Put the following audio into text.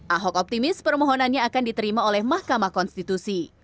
ahok optimis permohonannya akan diterima oleh mahkamah konstitusi